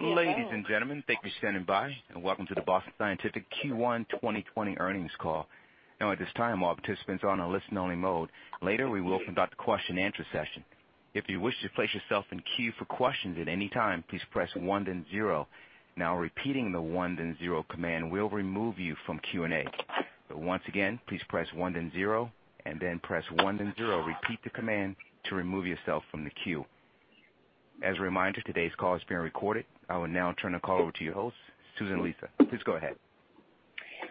Ladies and gentlemen, thank you for standing by and welcome to the Boston Scientific Q1 2020 earnings call. At this time, all participants are on a listen only mode. Later, we will conduct the question and answer session. If you wish to place yourself in queue for questions at any time, please press one then zero. Repeating the one then zero command will remove you from Q&A. Once again, please press one then zero and then press one then zero. Repeat the command to remove yourself from the queue. As a reminder, today's call is being recorded. I will now turn the call over to your host, Susan Lisa. Please go ahead.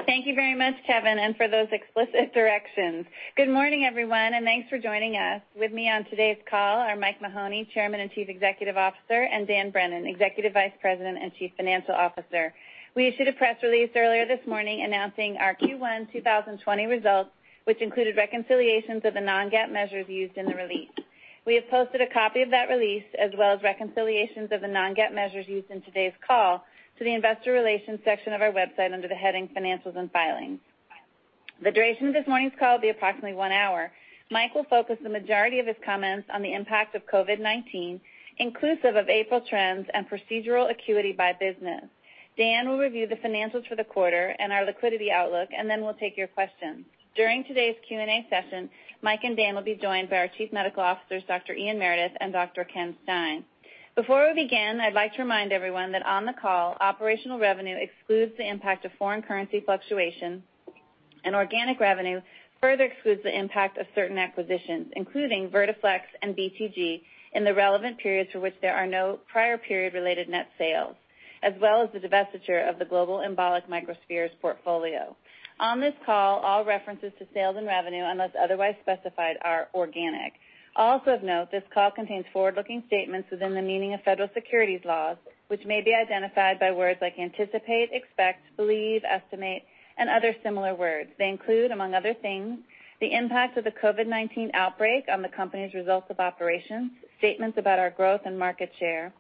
Thank you very much, Kevin, for those explicit directions. Good morning, everyone, and thanks for joining us. With me on today's call are Mike Mahoney, Chairman and Chief Executive Officer, and Dan Brennan, Executive Vice President and Chief Financial Officer. We issued a press release earlier this morning announcing our Q1 2020 results, which included reconciliations of the non-GAAP measures used in the release. We have posted a copy of that release as well as reconciliations of the non-GAAP measures used in today's call to the investor relations section of our website under the heading Financials and Filings. The duration of this morning's call will be approximately one hour. Mike will focus the majority of his comments on the impact of COVID-19, inclusive of April trends and procedural acuity by business. Dan will review the financials for the quarter and our liquidity outlook, and then we'll take your questions. During today's Q&A session, Mike and Dan will be joined by our chief medical officers, Dr. Ian Meredith and Dr. Ken Stein. Before we begin, I'd like to remind everyone that on the call, operational revenue excludes the impact of foreign currency fluctuations, and organic revenue further excludes the impact of certain acquisitions, including Vertiflex and BTG in the relevant periods for which there are no prior period-related net sales, as well as the divestiture of the global embolic microspheres portfolio. On this call, all references to sales and revenue unless otherwise specified are organic. Also of note, this call contains forward-looking statements within the meaning of Federal Securities laws, which may be identified by words like anticipate, expect, believe, estimate, and other similar words. They include, among other things, the impact of the COVID-19 outbreak on the company's results of operations, statements about our growth and market share,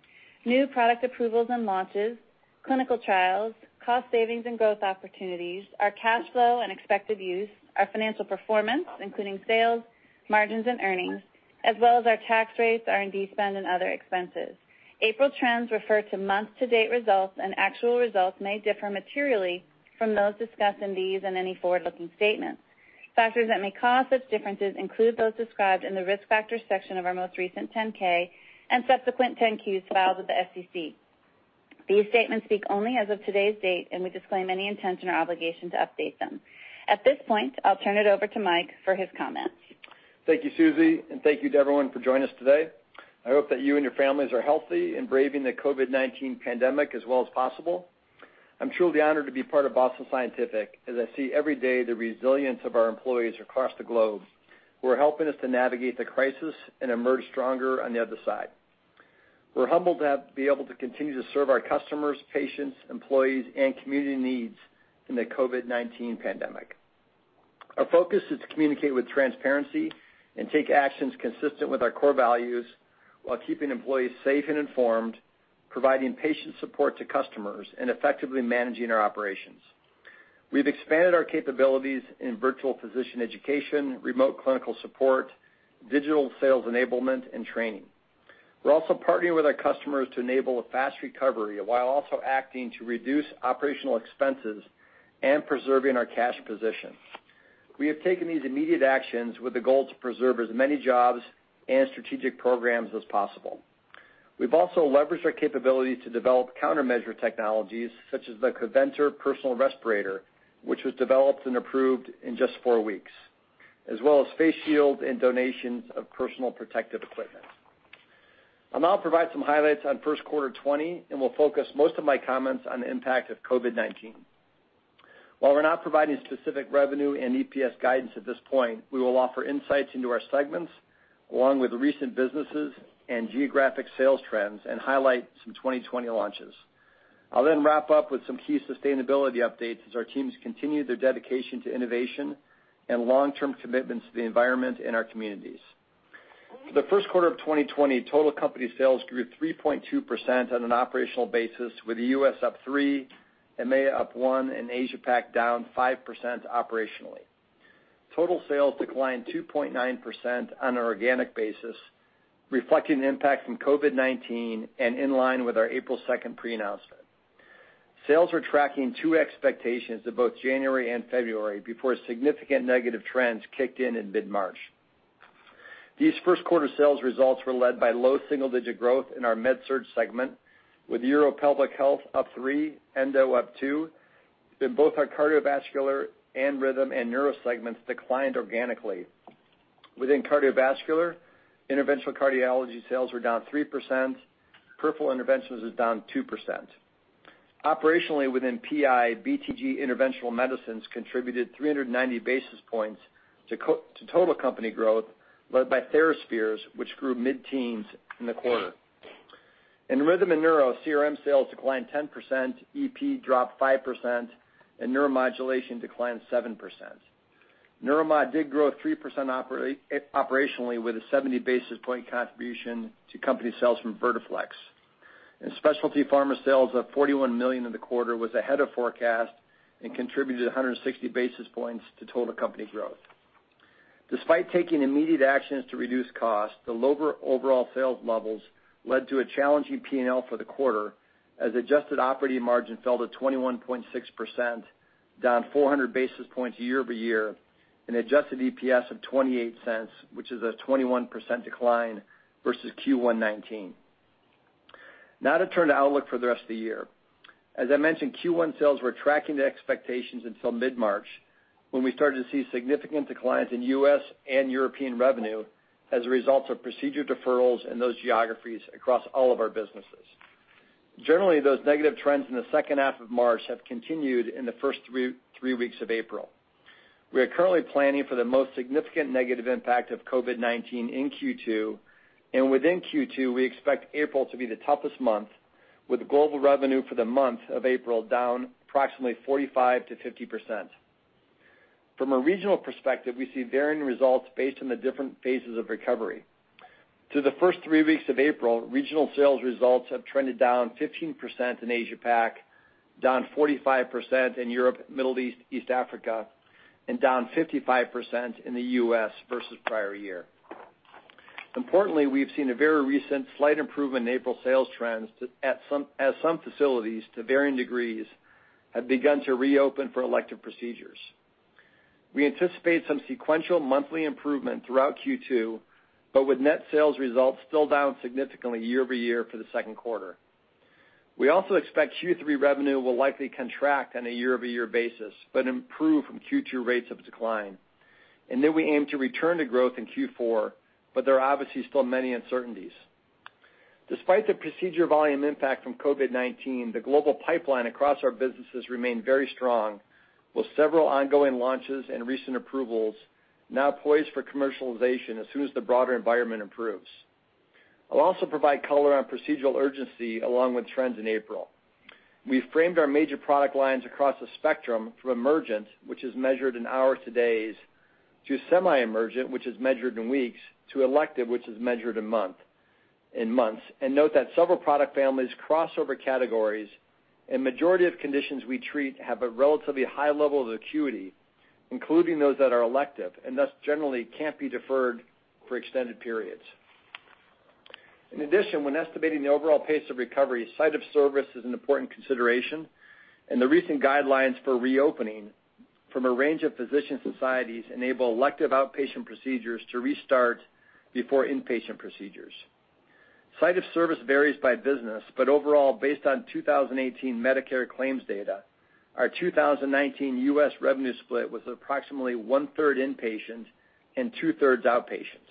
new product approvals and launches, clinical trials, cost savings and growth opportunities, our cash flow and expected use, our financial performance, including sales, margins, and earnings, as well as our tax rates, R&D spend, and other expenses. April trends refer to month-to-date results. Actual results may differ materially from those discussed in these and any forward-looking statements. Factors that may cause such differences include those described in the Risk Factors section of our most recent 10-K and subsequent 10-Qs filed with the SEC. These statements speak only as of today's date. We disclaim any intention or obligation to update them. At this point, I'll turn it over to Mike for his comments. Thank you, Susie, and thank you to everyone for joining us today. I hope that you and your families are healthy and braving the COVID-19 pandemic as well as possible. I'm truly honored to be part of Boston Scientific as I see every day the resilience of our employees across the globe who are helping us to navigate the crisis and emerge stronger on the other side. We're humbled to be able to continue to serve our customers, patients, employees, and community needs in the COVID-19 pandemic. Our focus is to communicate with transparency and take actions consistent with our core values while keeping employees safe and informed, providing patient support to customers, and effectively managing our operations. We've expanded our capabilities in virtual physician education, remote clinical support, digital sales enablement, and training. We're also partnering with our customers to enable a fast recovery while also acting to reduce operational expenses and preserving our cash position. We have taken these immediate actions with the goal to preserve as many jobs and strategic programs as possible. We've also leveraged our capability to develop countermeasure technologies such as the COVentor personal respirator, which was developed and approved in just four weeks, as well as face shields and donations of personal protective equipment. I'll now provide some highlights on first quarter 2020 and will focus most of my comments on the impact of COVID-19. While we're not providing specific revenue and EPS guidance at this point, we will offer insights into our segments along with the recent businesses and geographic sales trends and highlight some 2020 launches. I'll then wrap up with some key sustainability updates as our teams continue their dedication to innovation and long-term commitments to the environment and our communities. For the first quarter of 2020, total company sales grew 3.2% on an operational basis, with the U.S. up 3%, EMEA up 1%, and Asia Pac down 5% operationally. Total sales declined 2.9% on an organic basis, reflecting the impact from COVID-19 and in line with our April 2nd pre-announcement. Sales were tracking to expectations of both January and February before significant negative trends kicked in in mid-March. These first quarter sales results were led by low single-digit growth in our MedSurg segment, with Uro Pelvic Health up 3%, Endo up 2%. Both our cardiovascular and rhythm and neuro segments declined organically. Within cardiovascular, interventional cardiology sales were down 3%. Peripheral interventions is down 2%. Operationally within PI, BTG Interventional Medicine contributed 390 basis points to total company growth led by TheraSphere, which grew mid-teens in the quarter. In rhythm and neuro, CRM sales declined 10%, EP dropped 5%, and neuromodulation declined 7%. Neuromod did grow 3% operationally with a 70 basis point contribution to company sales from Vertiflex. Specialty pharma sales of $41 million in the quarter was ahead of forecast and contributed 160 basis points to total company growth. Despite taking immediate actions to reduce costs, the lower overall sales levels led to a challenging P&L for the quarter, as adjusted operating margin fell to 21.6%, down 400 basis points year-over-year, and adjusted EPS of $0.28, which is a 21% decline versus Q1 2019. Now to turn to outlook for the rest of the year. As I mentioned, Q1 sales were tracking to expectations until mid-March, when we started to see significant declines in U.S. and European revenue as a result of procedure deferrals in those geographies across all of our businesses. Generally, those negative trends in the second half of March have continued in the first three weeks of April. We are currently planning for the most significant negative impact of COVID-19 in Q2, and within Q2, we expect April to be the toughest month, with global revenue for the month of April down approximately 45%-50%. From a regional perspective, we see varying results based on the different phases of recovery. Through the first three weeks of April, regional sales results have trended down 15% in Asia-Pac, down 45% in Europe, Middle East Africa, and down 55% in the U.S. versus prior year. Importantly, we've seen a very recent slight improvement in April sales trends as some facilities, to varying degrees, have begun to reopen for elective procedures. We anticipate some sequential monthly improvement throughout Q2, but with net sales results still down significantly year-over-year for the second quarter. We also expect Q3 revenue will likely contract on a year-over-year basis, but improve from Q2 rates of decline. We aim to return to growth in Q4, but there are obviously still many uncertainties. Despite the procedure volume impact from COVID-19, the global pipeline across our businesses remain very strong, with several ongoing launches and recent approvals now poised for commercialization as soon as the broader environment improves. I'll also provide color on procedural urgency along with trends in April. We've framed our major product lines across the spectrum from emergent, which is measured in hours to days, to semi-emergent, which is measured in weeks, to elective, which is measured in months. Note that several product families cross over categories and majority of conditions we treat have a relatively high level of acuity, including those that are elective, and thus, generally can't be deferred for extended periods. In addition, when estimating the overall pace of recovery, site of service is an important consideration, and the recent guidelines for reopening from a range of physician societies enable elective outpatient procedures to restart before inpatient procedures. Site of service varies by business, but overall, based on 2018 Medicare claims data, our 2019 U.S. revenue split was approximately 1/3 inpatient and 2/3 outpatient.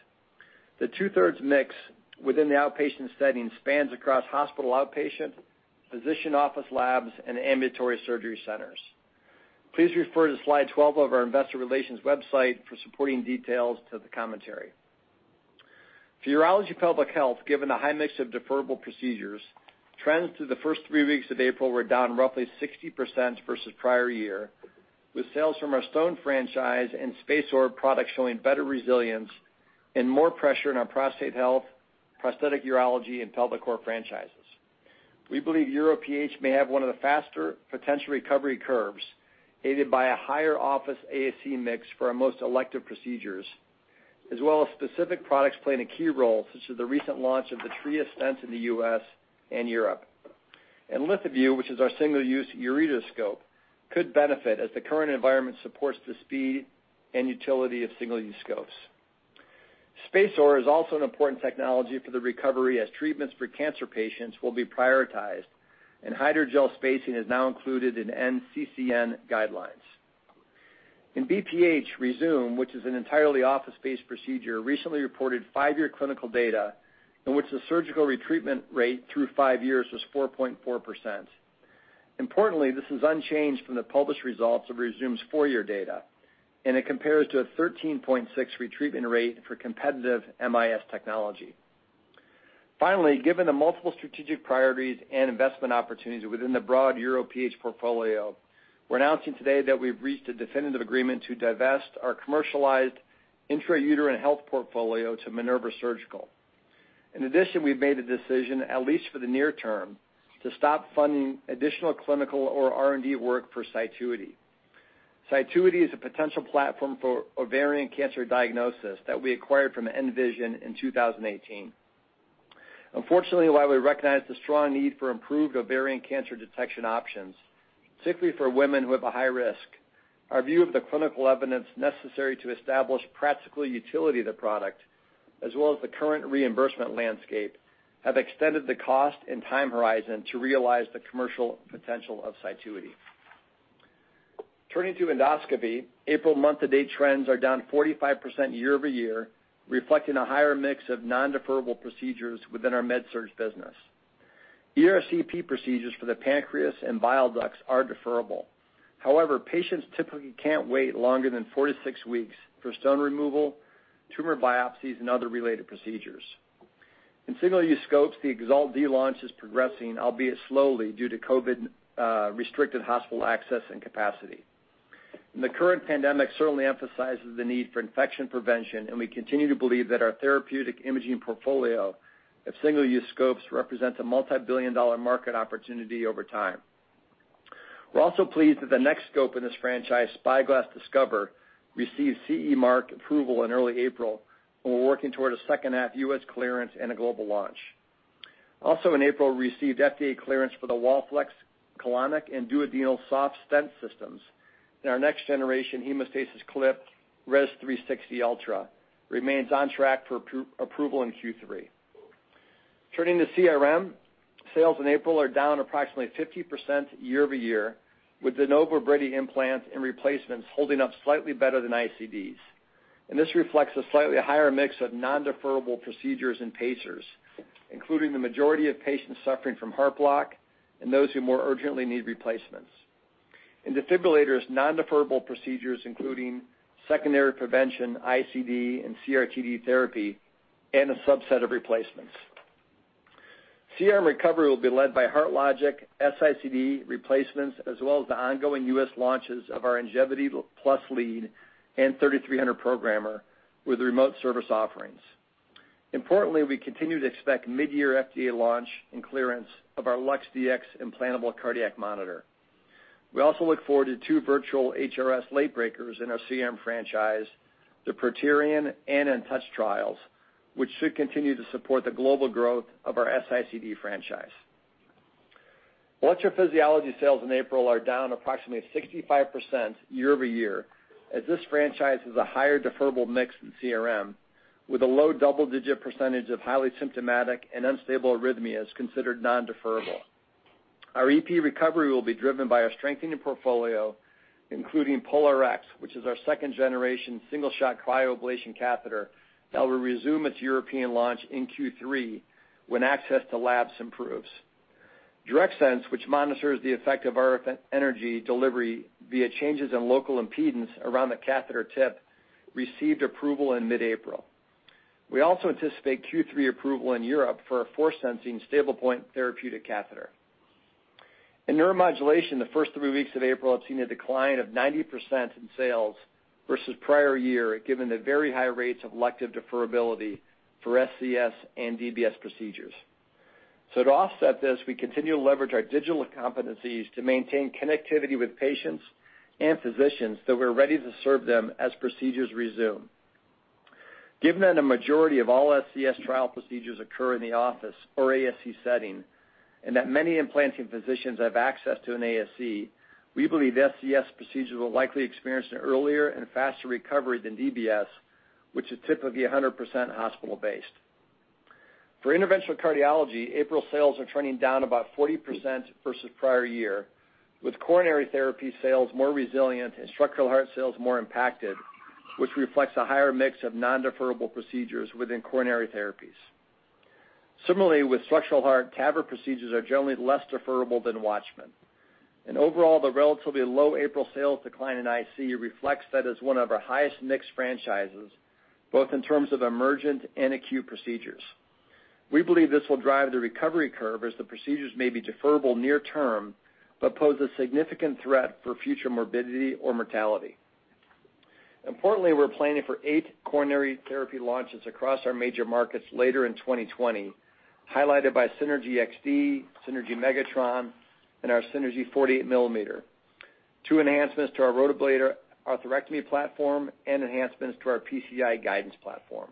The 2/3 mix within the outpatient setting spans across hospital outpatient, physician office labs, and ambulatory surgery centers. Please refer to slide 12 of our investor relations website for supporting details to the commentary. For Urology and Pelvic Health, given the high mix of deferrable procedures, trends through the first three weeks of April were down roughly 60% versus prior year, with sales from our stone franchise and SpaceOAR product showing better resilience and more pressure in our prostate health, prosthetic urology, and Pelvic Organ Prolapse franchises. We believe UroPH may have one of the faster potential recovery curves, aided by a higher office ASC mix for our most elective procedures, as well as specific products playing a key role, such as the recent launch of the Tria stent in the U.S. and Europe. LithoVue, which is our single-use ureteroscope, could benefit as the current environment supports the speed and utility of single-use scopes. SpaceOAR is also an important technology for the recovery as treatments for cancer patients will be prioritized, and hydrogel spacing is now included in NCCN guidelines. In BPH, Rezūm, which is an entirely office-based procedure, recently reported five-year clinical data in which the surgical retreatment rate through five years was 4.4%. Importantly, this is unchanged from the published results of Rezūm's four-year data, and it compares to a 13.6% retreatment rate for competitive MIS technology. Given the multiple strategic priorities and investment opportunities within the broad UroPH portfolio, we're announcing today that we've reached a definitive agreement to divest our commercialized intrauterine health portfolio to Minerva Surgical. In addition, we've made a decision, at least for the near term, to stop funding additional clinical or R&D work for Cituity. Cituity is a potential platform for ovarian cancer diagnosis that we acquired from nVision in 2018. Unfortunately, while we recognize the strong need for improved ovarian cancer detection options, particularly for women who have a high risk, our view of the clinical evidence necessary to establish practical utility of the product, as well as the current reimbursement landscape, have extended the cost and time horizon to realize the commercial potential of Cituity. Turning to Endoscopy, April month-to-date trends are down 45% year-over-year, reflecting a higher mix of non-deferrable procedures within our MedSurg business. ERCP procedures for the pancreas and bile ducts are deferrable. Patients typically can't wait longer than four to six weeks for stone removal, tumor biopsies, and other related procedures. In single-use scopes, the EXALT launch is progressing, albeit slowly, due to COVID restricted hospital access and capacity. The current pandemic certainly emphasizes the need for infection prevention, and we continue to believe that our therapeutic imaging portfolio of single-use scopes represents a multibillion-dollar market opportunity over time. We're also pleased that the next scope in this franchise, SpyGlass Discover, received CE mark approval in early April, and we're working toward a second half U.S. clearance and a global launch. Also in April, we received FDA clearance for the WallFlex colonic and duodenal soft stent systems, and our next-generation hemostasis clip, Res 360 ULTRA, remains on track for approval in Q3. Turning to CRM, sales in April are down approximately 50% year-over-year, with de novo brady implant and replacements holding up slightly better than ICDs. This reflects a slightly higher mix of non-deferable procedures and pacers, including the majority of patients suffering from heart block and those who more urgently need replacements. In defibrillators, non-deferrable procedures including secondary prevention, ICD, and CRT-D therapy, and a subset of replacements. CRM recovery will be led by HeartLogic, S-ICD replacements, as well as the ongoing U.S. launches of our INGEVITY+ lead and LATITUDE 3300 with remote service offerings. Importantly, we continue to expect mid-year FDA launch and clearance of our LUX-Dx implantable cardiac monitor. We also look forward to two virtual HRS late breakers in our CRM franchise, the CRITERION and UNTOUCHED trials, which should continue to support the global growth of our S-ICD franchise. Electrophysiology sales in April are down approximately 65% year-over-year, as this franchise has a higher deferrable mix than CRM, with a low double-digit percentage of highly symptomatic and unstable arrhythmias considered non-deferrable. Our EP recovery will be driven by our strengthening portfolio, including POLARx, which is our second-generation single-shot cryoablation catheter that will resume its European launch in Q3 when access to labs improves. DIRECTSENSE, which monitors the effect of RF energy delivery via changes in local impedance around the catheter tip, received approval in mid-April. We also anticipate Q3 approval in Europe for a force-sensing STABLEPOINT therapeutic catheter. In neuromodulation, the first three weeks of April have seen a decline of 90% in sales versus prior year, given the very high rates of elective deferrability for SCS and DBS procedures. To offset this, we continue to leverage our digital competencies to maintain connectivity with patients and physicians, so we're ready to serve them as procedures resume. Given that a majority of all SCS trial procedures occur in the office or ASC setting, and that many implanting physicians have access to an ASC, we believe SCS procedures will likely experience an earlier and faster recovery than DBS, which is typically 100% hospital-based. For interventional cardiology, April sales are trending down about 40% versus prior year, with coronary therapy sales more resilient and structural heart sales more impacted, which reflects a higher mix of non-deferrable procedures within coronary therapies. Similarly, with structural heart, TAVR procedures are generally less deferrable than WATCHMAN. Overall, the relatively low April sales decline in IC reflects that as one of our highest mixed franchises, both in terms of emergent and acute procedures. We believe this will drive the recovery curve as the procedures may be deferrable near term but pose a significant threat for future morbidity or mortality. Importantly, we're planning for eight coronary therapy launches across our major markets later in 2020, highlighted by SYNERGY XD, SYNERGY MEGATRON, and our SYNERGY 48 mm, two enhancements to our Rotablator atherectomy platform, and enhancements to our PCI guidance platform.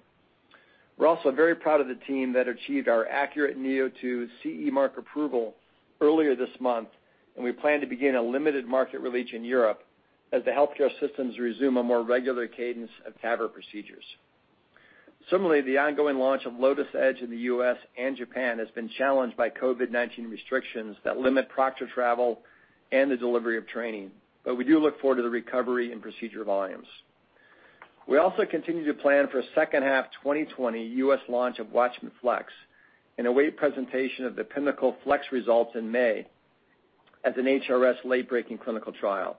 We're also very proud of the team that achieved our ACURATE neo2 CE mark approval earlier this month, and we plan to begin a limited market release in Europe as the healthcare systems resume a more regular cadence of TAVR procedures. Similarly, the ongoing launch of LOTUS Edge in the U.S. and Japan has been challenged by COVID-19 restrictions that limit proctor travel and the delivery of training. We do look forward to the recovery in procedure volumes. We also continue to plan for a second half 2020 U.S. launch of WATCHMAN FLX and await presentation of the PINNACLE FLX results in May as an HRS late-breaking clinical trial.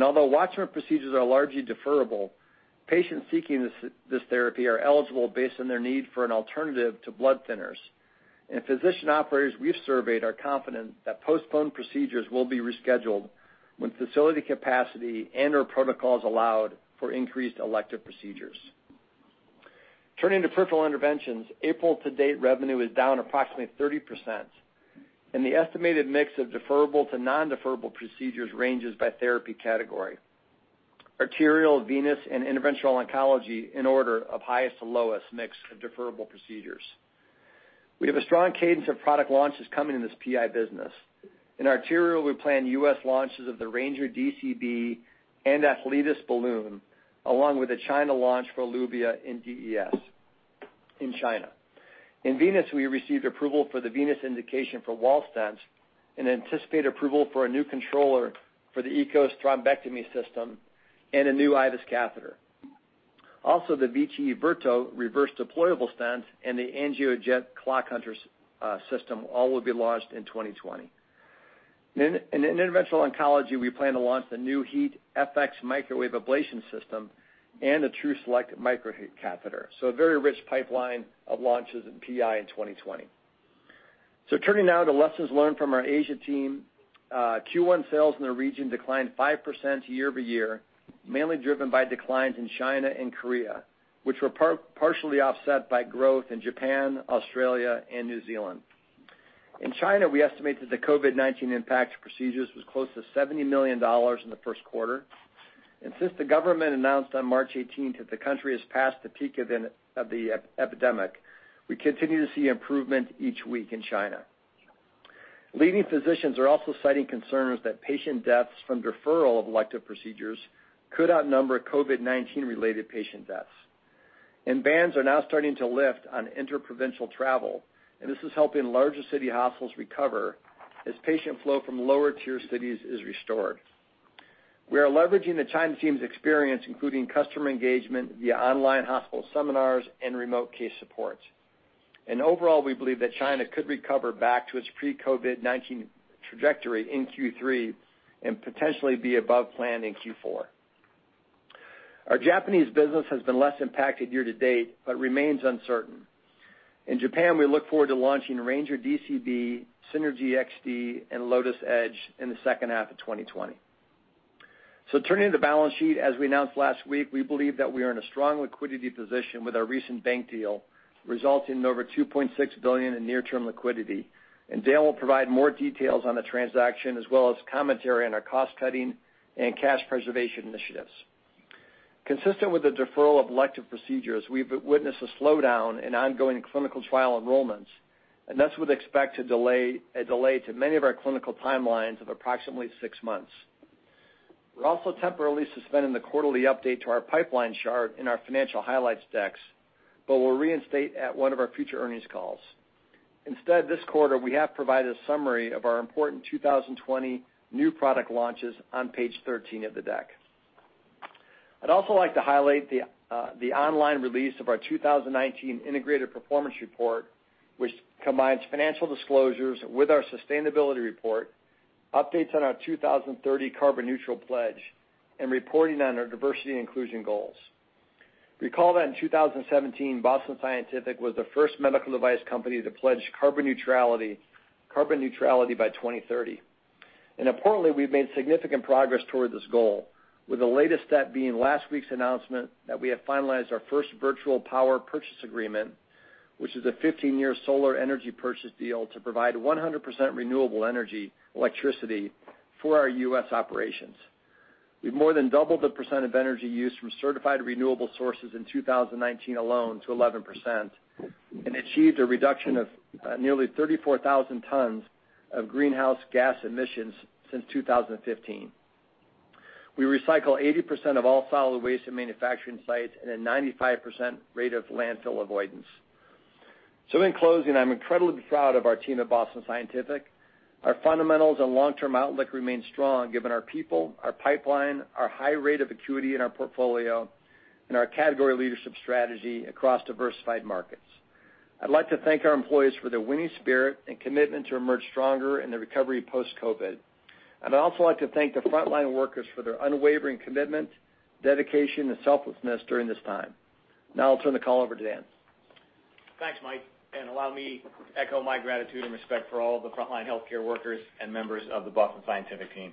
Although WATCHMAN procedures are largely deferrable, patients seeking this therapy are eligible based on their need for an alternative to blood thinners. Physician operators we've surveyed are confident that postponed procedures will be rescheduled when facility capacity and/or protocols allowed for increased elective procedures. Turning to peripheral interventions, April to date revenue is down approximately 30%, and the estimated mix of deferrable to non-deferrable procedures ranges by therapy category. Arterial, venous, and interventional oncology in order of highest to lowest mix of deferrable procedures. We have a strong cadence of product launches coming in this PI business. In arterial, we plan U.S. launches of the Ranger DCB and Athletis balloon, along with a China launch for ELUVIA in DES in China. In venous, we received approval for the venous indication for WallFlex stents and anticipate approval for a new controller for the EKOS thrombectomy system and a new IVUS catheter. The VICI Verto reverse deployable stent and the AngioJet ClotHunter system all will be launched in 2020. In interventional oncology, we plan to launch the new HeatFX microwave ablation system and the TruSelect Microcatheter. A very rich pipeline of launches in PI in 2020. Turning now to lessons learned from our Asia team. Q1 sales in the region declined 5% year-over-year, mainly driven by declines in China and Korea, which were partially offset by growth in Japan, Australia, and New Zealand. In China, we estimate that the COVID-19 impact to procedures was close to $70 million in the first quarter. Since the government announced on March 18th that the country has passed the peak of the epidemic, we continue to see improvement each week in China. Leading physicians are also citing concerns that patient deaths from deferral of elective procedures could outnumber COVID-19 related patient deaths. Bans are now starting to lift on inter-provincial travel, and this is helping larger city hospitals recover as patient flow from lower tier cities is restored. We are leveraging the China team's experience, including customer engagement via online hospital seminars and remote case support. Overall, we believe that China could recover back to its pre-COVID-19 trajectory in Q3 and potentially be above plan in Q4. Our Japanese business has been less impacted year-to-date, but remains uncertain. In Japan, we look forward to launching Ranger DCB, SYNERGY XD and LOTUS Edge in the second half of 2020. Turning to the balance sheet. As we announced last week, we believe that we are in a strong liquidity position with our recent bank deal, resulting in over $2.6 billion in near-term liquidity. Dan will provide more details on the transaction as well as commentary on our cost-cutting and cash preservation initiatives. Consistent with the deferral of elective procedures, we've witnessed a slowdown in ongoing clinical trial enrollments, and thus would expect a delay to many of our clinical timelines of approximately six months. We're also temporarily suspending the quarterly update to our pipeline chart in our financial highlights decks, but we'll reinstate at one of our future earnings calls. Instead, this quarter, we have provided a summary of our important 2020 new product launches on page 13 of the deck. I'd also like to highlight the online release of our 2019 integrated performance report, which combines financial disclosures with our sustainability report, updates on our 2030 carbon neutral pledge, and reporting on our diversity and inclusion goals. If you recall that in 2017, Boston Scientific was the first medical device company to pledge carbon neutrality by 2030. Importantly, we've made significant progress towards this goal with the latest step being last week's announcement that we have finalized our first virtual power purchase agreement, which is a 15-year solar energy purchase deal to provide 100% renewable energy electricity for our U.S. operations. We've more than doubled the percent of energy used from certified renewable sources in 2019 alone to 11% and achieved a reduction of nearly 34,000 tons of greenhouse gas emissions since 2015. We recycle 80% of all solid waste at manufacturing sites and a 95% rate of landfill avoidance. In closing, I'm incredibly proud of our team at Boston Scientific. Our fundamentals and long-term outlook remain strong given our people, our pipeline, our high rate of acuity in our portfolio, and our category leadership strategy across diversified markets. I'd like to thank our employees for their winning spirit and commitment to emerge stronger in the recovery post-COVID. I'd also like to thank the frontline workers for their unwavering commitment, dedication and selflessness during this time. Now I'll turn the call over to Dan. Thanks, Mike, and allow me to echo my gratitude and respect for all the frontline healthcare workers and members of the Boston Scientific team.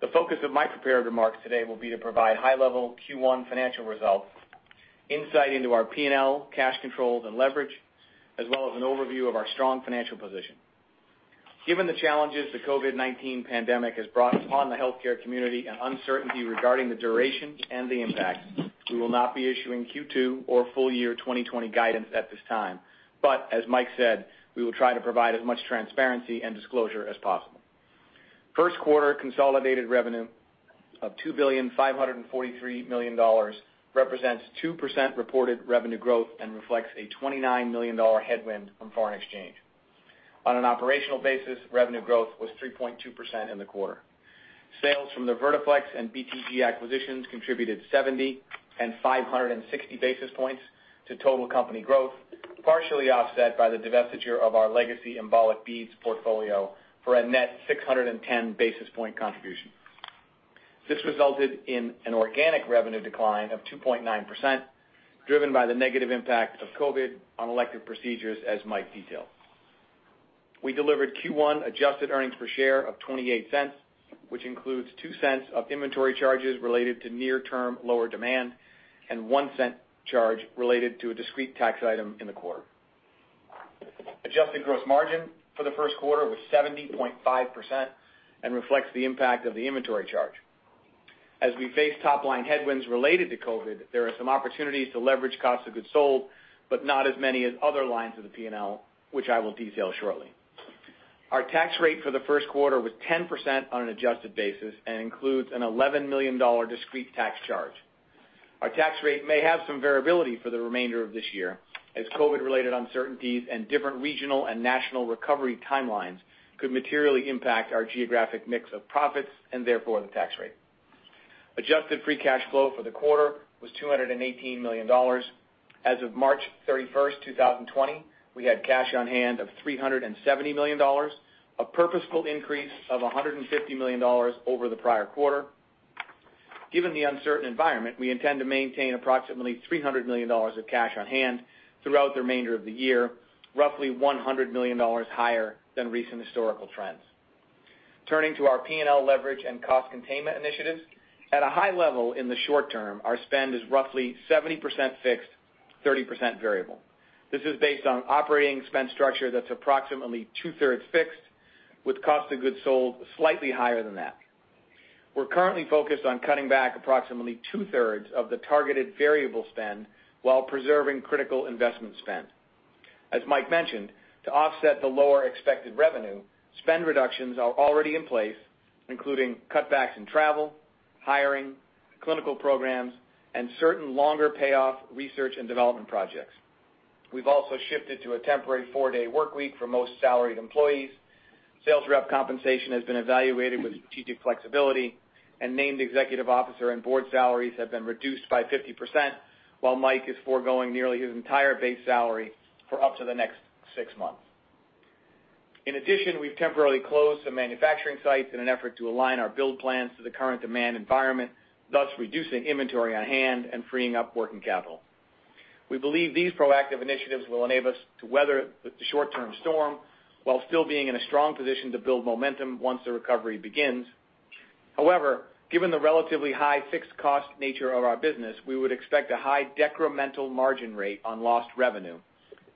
The focus of my prepared remarks today will be to provide high level Q1 financial results, insight into our P&L, cash controls and leverage, as well as an overview of our strong financial position. Given the challenges the COVID-19 pandemic has brought upon the healthcare community and uncertainty regarding the duration and the impact, we will not be issuing Q2 or full year 2020 guidance at this time. As Mike said, we will try to provide as much transparency and disclosure as possible. First quarter consolidated revenue of $2,543,000,000 represents 2% reported revenue growth and reflects a $29 million headwind from foreign exchange. On an operational basis, revenue growth was 3.2% in the quarter. Sales from the Vertiflex and BTG acquisitions contributed 70 and 560 basis points to total company growth, partially offset by the divestiture of our legacy embolic beads portfolio for a net 610 basis point contribution. This resulted in an organic revenue decline of 2.9%, driven by the negative impact of COVID-19 on elective procedures, as Mike detailed. We delivered Q1 adjusted earnings per share of $0.28, which includes $0.02 of inventory charges related to near-term lower demand and $0.01 charge related to a discrete tax item in the quarter. Adjusted gross margin for the first quarter was 70.5% and reflects the impact of the inventory charge. As we face top line headwinds related to COVID-19, there are some opportunities to leverage cost of goods sold, but not as many as other lines of the P&L, which I will detail shortly. Our tax rate for the first quarter was 10% on an adjusted basis and includes an $11 million discrete tax charge. Our tax rate may have some variability for the remainder of this year, as COVID-related uncertainties and different regional and national recovery timelines could materially impact our geographic mix of profits and therefore the tax rate. Adjusted free cash flow for the quarter was $218 million. As of March 31st, 2020, we had cash on hand of $370 million, a purposeful increase of $150 million over the prior quarter. Given the uncertain environment, we intend to maintain approximately $300 million of cash on hand throughout the remainder of the year, roughly $100 million higher than recent historical trends. Turning to our P&L leverage and cost containment initiatives. At a high level in the short term, our spend is roughly 70% fixed, 30% variable. This is based on operating spend structure that's approximately two-thirds fixed, with cost of goods sold slightly higher than that. We're currently focused on cutting back approximately 2/3 of the targeted variable spend while preserving critical investment spend. As Mike mentioned, to offset the lower expected revenue, spend reductions are already in place, including cutbacks in travel, hiring, clinical programs, and certain longer payoff research and development projects. We've also shifted to a temporary four-day workweek for most salaried employees. Sales rep compensation has been evaluated with strategic flexibility, and named executive officer and board salaries have been reduced by 50%, while Mike is foregoing nearly his entire base salary for up to the next six months. In addition, we've temporarily closed some manufacturing sites in an effort to align our build plans to the current demand environment, thus reducing inventory on hand and freeing up working capital. We believe these proactive initiatives will enable us to weather the short-term storm while still being in a strong position to build momentum once the recovery begins. However, given the relatively high fixed cost nature of our business, we would expect a high decremental margin rate on lost revenue,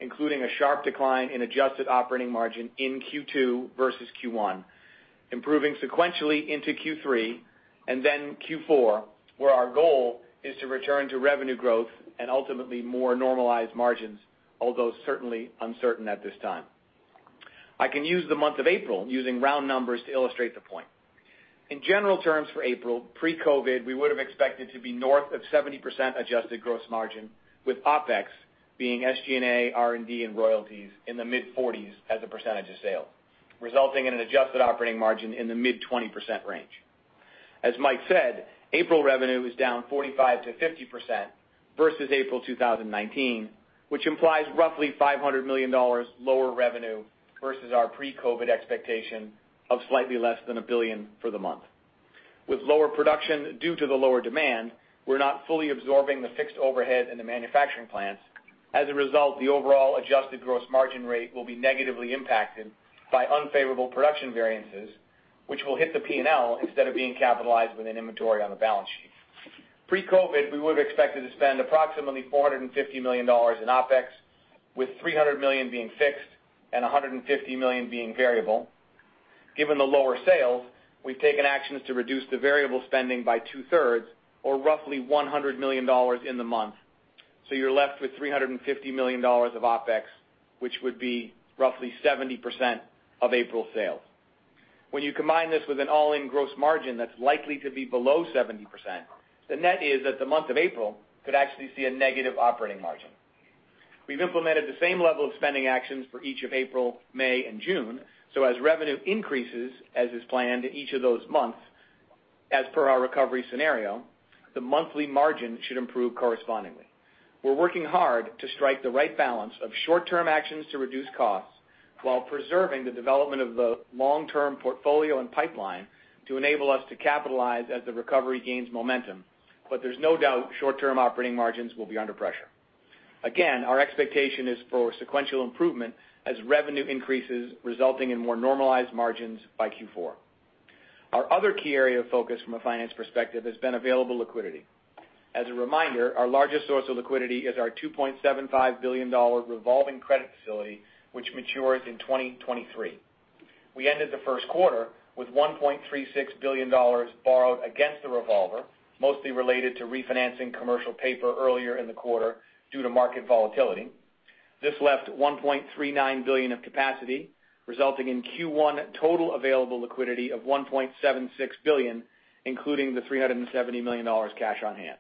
including a sharp decline in adjusted operating margin in Q2 versus Q1, improving sequentially into Q3 and then Q4, where our goal is to return to revenue growth and ultimately more normalized margins, although certainly uncertain at this time. I can use the month of April using round numbers to illustrate the point. In general terms for April, pre-COVID, we would have expected to be north of 70% adjusted gross margin, with OpEx being SG&A, R&D, and royalties in the mid-40s as a percentage of sale, resulting in an adjusted operating margin in the mid-20% range. As Mike said, April revenue is down 45%-50% versus April 2019, which implies roughly $500 million lower revenue versus our pre-COVID expectation of slightly less than $1 billion for the month. With lower production due to the lower demand, we're not fully absorbing the fixed overhead in the manufacturing plants. As a result, the overall adjusted gross margin rate will be negatively impacted by unfavorable production variances, which will hit the P&L instead of being capitalized with an inventory on the balance sheet. Pre-COVID, we would have expected to spend approximately $450 million in OpEx, with $300 million being fixed and $150 million being variable. Given the lower sales, we've taken actions to reduce the variable spending by 2/3 or roughly $100 million in the month. You're left with $350 million of OpEx, which would be roughly 70% of April sales. When you combine this with an all-in gross margin that's likely to be below 70%, the net is that the month of April could actually see a negative operating margin. As revenue increases, as is planned each of those months as per our recovery scenario, the monthly margin should improve correspondingly. We're working hard to strike the right balance of short-term actions to reduce costs while preserving the development of the long-term portfolio and pipeline to enable us to capitalize as the recovery gains momentum. There's no doubt short-term operating margins will be under pressure. Again, our expectation is for sequential improvement as revenue increases, resulting in more normalized margins by Q4. Our other key area of focus from a finance perspective has been available liquidity. As a reminder, our largest source of liquidity is our $2.75 billion revolving credit facility, which matures in 2023. We ended the first quarter with $1.36 billion borrowed against the revolver, mostly related to refinancing commercial paper earlier in the quarter due to market volatility. This left $1.39 billion of capacity, resulting in Q1 total available liquidity of $1.76 billion, including the $370 million cash on-hand.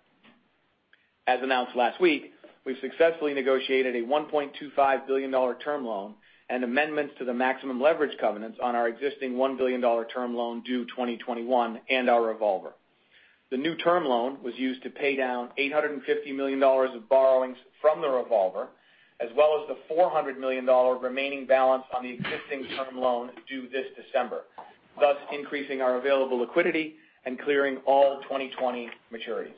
As announced last week, we've successfully negotiated a $1.25 billion term loan and amendments to the maximum leverage covenants on our existing $1 billion term loan due 2021 and our revolver. The new term loan was used to pay down $850 million of borrowings from the revolver, as well as the $400 million remaining balance on the existing term loan due this December, thus increasing our available liquidity and clearing all 2020 maturities.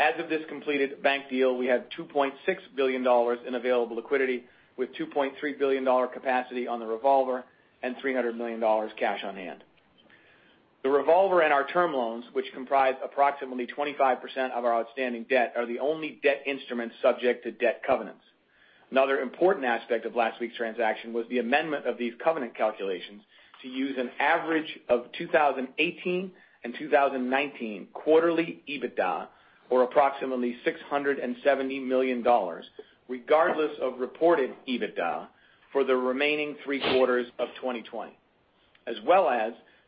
As of this completed bank deal, we have $2.6 billion in available liquidity, with $2.3 billion capacity on the revolver and $300 million cash on hand. The revolver and our term loans, which comprise approximately 25% of our outstanding debt, are the only debt instruments subject to debt covenants. Another important aspect of last week's transaction was the amendment of these covenant calculations to use an average of 2018 and 2019 quarterly EBITDA, or approximately $670 million, regardless of reported EBITDA for the remaining three quarters of 2020.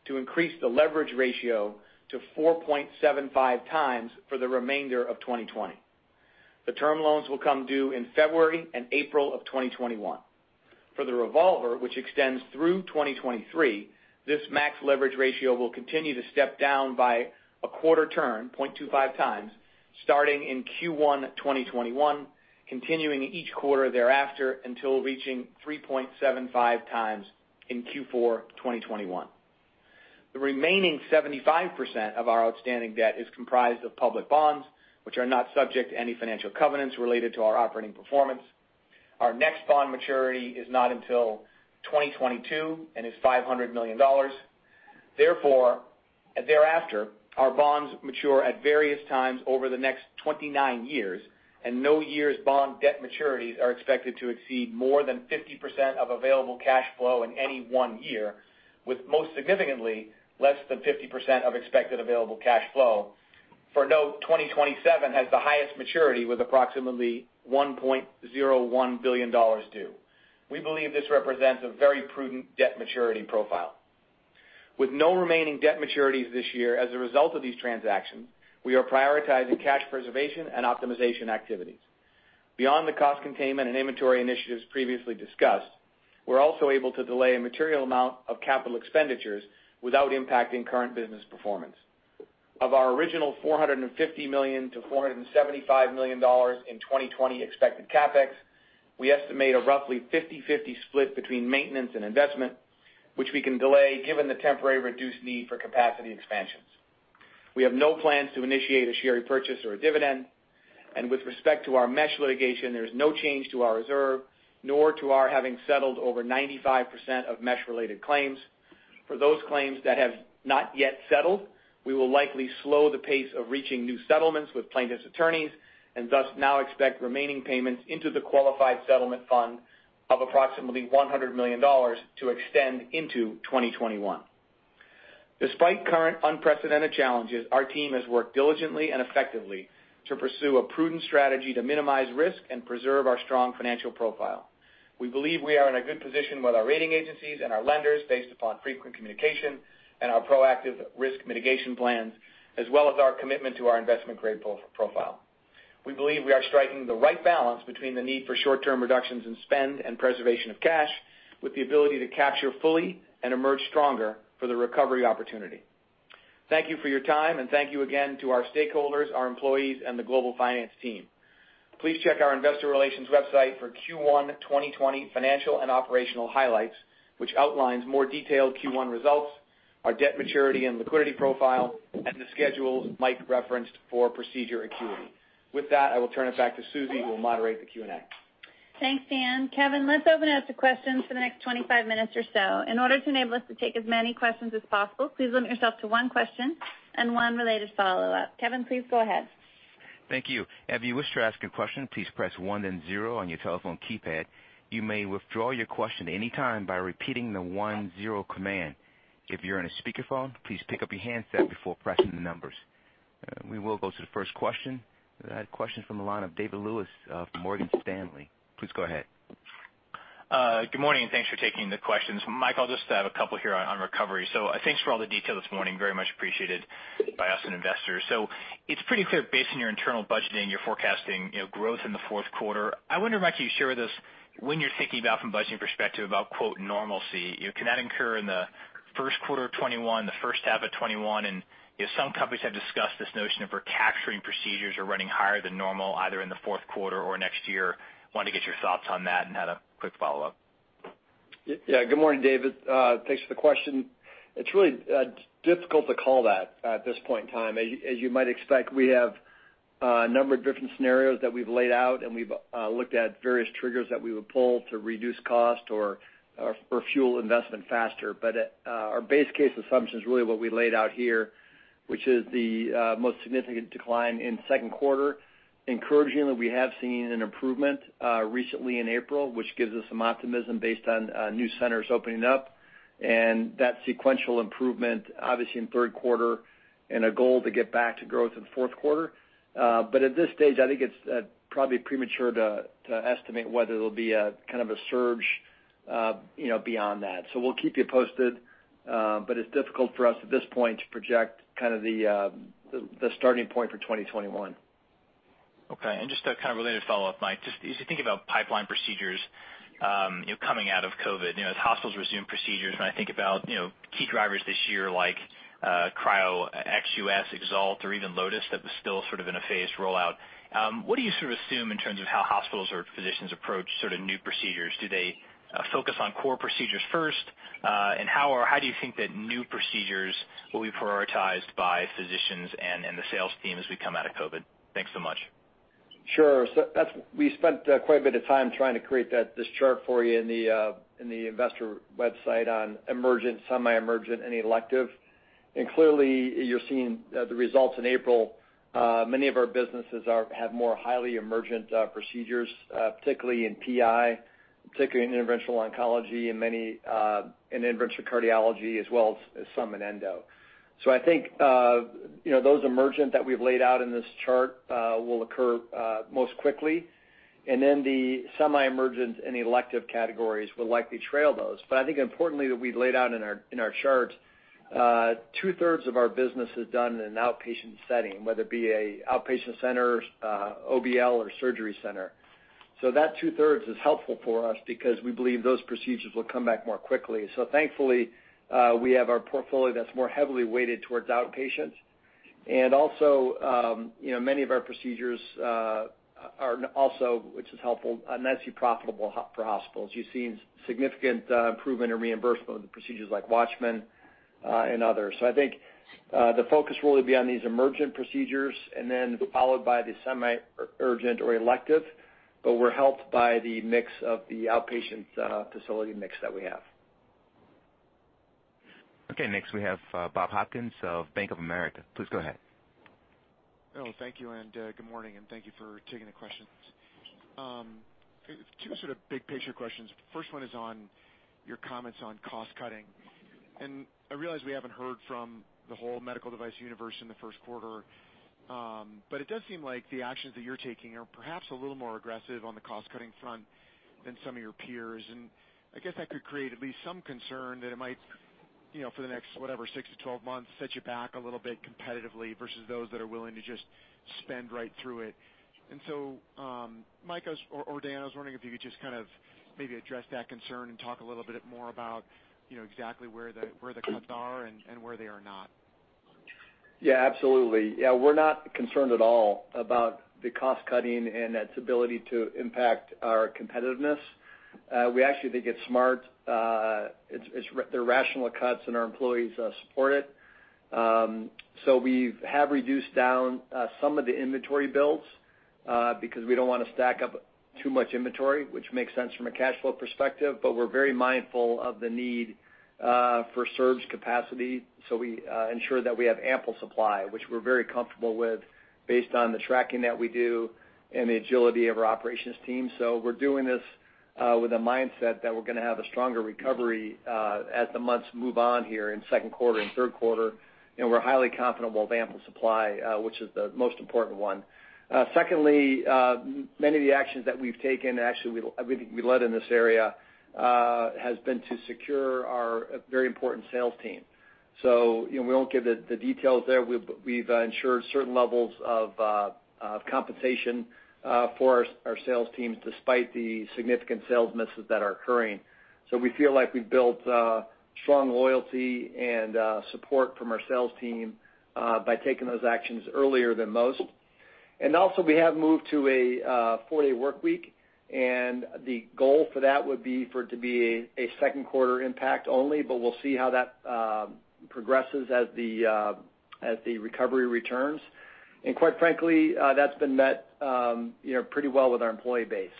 To increase the leverage ratio to 4.75x for the remainder of 2020. The term loans will come due in February and April of 2021. For the revolver, which extends through 2023, this max leverage ratio will continue to step down by a quarter turn, 0.25 times, starting in Q1 2021, continuing each quarter thereafter until reaching 3.75x in Q4 2021. The remaining 75% of our outstanding debt is comprised of public bonds, which are not subject to any financial covenants related to our operating performance. Our next bond maturity is not until 2022 and is $500 million. Thereafter, our bonds mature at various times over the next 29 years, and no year's bond debt maturities are expected to exceed more than 50% of available cash flow in any one year, with most significantly less than 50% of expected available cash flow. The note 2027 has the highest maturity with approximately $1.01 billion due. We believe this represents a very prudent debt maturity profile. With no remaining debt maturities this year as a result of these transactions, we are prioritizing cash preservation and optimization activities. Beyond the cost containment and inventory initiatives previously discussed, we are also able to delay a material amount of capital expenditures without impacting current business performance. Of our original $450 million-$475 million in 2020 expected CapEx, we estimate a roughly 50/50 split between maintenance and investment, which we can delay given the temporary reduced need for capacity expansions. We have no plans to initiate a share repurchase or a dividend. With respect to our mesh litigation, there is no change to our reserve, nor to our having settled over 95% of mesh-related claims. For those claims that have not yet settled, we will likely slow the pace of reaching new settlements with plaintiffs' attorneys, and thus now expect remaining payments into the qualified settlement fund of approximately $100 million to extend into 2021. Despite current unprecedented challenges, our team has worked diligently and effectively to pursue a prudent strategy to minimize risk and preserve our strong financial profile. We believe we are in a good position with our rating agencies and our lenders based upon frequent communication and our proactive risk mitigation plans, as well as our commitment to our investment-grade profile. We believe we are striking the right balance between the need for short-term reductions in spend and preservation of cash, with the ability to capture fully and emerge stronger for the recovery opportunity. Thank you for your time, and thank you again to our stakeholders, our employees, and the global finance team. Please check our investor relations website for Q1 2020 financial and operational highlights, which outlines more detailed Q1 results, our debt maturity and liquidity profile, and the schedule Mike referenced for procedure acuity. With that, I will turn it back to Susan, who will moderate the Q&A. Thanks, Dan. Kevin, let's open up to questions for the next 25 minutes or so. In order to enable us to take as many questions as possible, please limit yourself to one question and one related follow-up. Kevin, please go ahead. Thank you. If you wish to ask a question, please press one, then zero on your telephone keypad. You may withdraw your question anytime by repeating the one, zero command. If you're in a speakerphone, please pick up your handset before pressing the numbers. We will go to the first question. That question's from the line of David Lewis of Morgan Stanley. Please go ahead. Good morning. Thanks for taking the questions. Mike, I'll just have a couple here on recovery. Thanks for all the detail this morning, very much appreciated by us and investors. It's pretty clear based on your internal budgeting, your forecasting growth in the fourth quarter. I wonder, Mike, can you share with us when you're thinking about from budgeting perspective about, quote, normalcy? Can that incur in the first quarter of 2021, the first half of 2021? Some companies have discussed this notion of recapturing procedures or running higher than normal either in the fourth quarter or next year. Wanted to get your thoughts on that and had a quick follow-up. Yeah. Good morning, David. Thanks for the question. It's really difficult to call that at this point in time. As you might expect, we have a number of different scenarios that we've laid out, and we've looked at various triggers that we would pull to reduce cost or fuel investment faster. Our base case assumption is really what we laid out here, which is the most significant decline in second quarter. Encouraging that we have seen an improvement recently in April, which gives us some optimism based on new centers opening up, and that sequential improvement, obviously in third quarter, and a goal to get back to growth in fourth quarter. At this stage, I think it's probably premature to estimate whether there'll be a kind of a surge beyond that. We'll keep you posted, but it's difficult for us at this point to project the starting point for 2021. Okay. Just a kind of related follow-up, Mike, just as you think about pipeline procedures coming out of COVID, as hospitals resume procedures, when I think about key drivers this year like Cryo, XUS, EXALT, or even LOTUS that was still sort of in a phased rollout, what do you sort of assume in terms of how hospitals or physicians approach sort of new procedures? Do they focus on core procedures first? How do you think that new procedures will be prioritized by physicians and the sales team as we come out of COVID? Thanks so much. Sure. We spent quite a bit of time trying to create this chart for you in the investor website on emergent, semi-emergent, and elective. Clearly, you're seeing the results in April. Many of our businesses have more highly emergent procedures, particularly in PI, particularly in interventional oncology and interventional cardiology, as well as some in endo. I think those emergent that we've laid out in this chart will occur most quickly. Then the semi-emergent and the elective categories will likely trail those. I think importantly, that we laid out in our chart, 2/3 of our business is done in an outpatient setting, whether it be an outpatient center, OBL, or surgery center. That 2/3 is helpful for us because we believe those procedures will come back more quickly. Thankfully, we have our portfolio that's more heavily weighted towards outpatients. Also, many of our procedures are also, which is helpful, nicely profitable for hospitals. You've seen significant improvement in reimbursement with procedures like WATCHMAN and others. I think the focus will be on these emergent procedures, and then followed by the semi-urgent or elective, but we're helped by the mix of the outpatient facility mix that we have. Okay, next we have Bob Hopkins of Bank of America. Please go ahead. Oh, thank you, and good morning, and thank you for taking the questions. Two sort of big picture questions. First one is on your comments on cost-cutting. I realize we haven't heard from the whole medical device universe in the first quarter, but it does seem like the actions that you're taking are perhaps a little more aggressive on the cost-cutting front than some of your peers. I guess that could create at least some concern that it might, for the next, whatever, six to 12 months, set you back a little bit competitively versus those that are willing to just spend right through it. Mike or Dan, I was wondering if you could just kind of maybe address that concern and talk a little bit more about exactly where the cuts are and where they are not. Yeah, absolutely. We're not concerned at all about the cost cutting and its ability to impact our competitiveness. We actually think it's smart. They're rational cuts. Our employees support it. We have reduced down some of the inventory builds, because we don't want to stack up too much inventory, which makes sense from a cash flow perspective, but we're very mindful of the need for surge capacity, so we ensure that we have ample supply, which we're very comfortable with based on the tracking that we do and the agility of our operations team. We're doing this with a mindset that we're going to have a stronger recovery, as the months move on here in second quarter and third quarter, and we're highly confident we'll have ample supply, which is the most important one. Many of the actions that we've taken, actually, we led in this area, has been to secure our very important sales team. We won't give the details there. We've ensured certain levels of compensation for our sales teams despite the significant sales misses that are occurring. We feel like we've built strong loyalty and support from our sales team by taking those actions earlier than most. Also we have moved to a four-day work week, the goal for that would be for it to be a second quarter impact only, we'll see how that progresses as the recovery returns. Quite frankly, that's been met pretty well with our employee base.